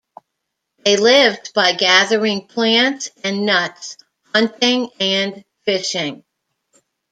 They lived by gathering plants and nuts, hunting and fishing.